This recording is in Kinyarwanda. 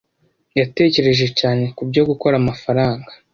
Yatekereje cyane kubyo gukora amafaranga.